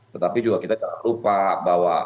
tetapi juga kita jangan lupa bahwa rakyatlah yang kutip